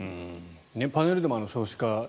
パネルでも少子化問題